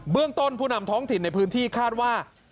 เรื่องต้นผู้นำท้องถิ่นในพื้นที่คาดว่า